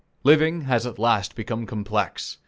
Living has at last become complex.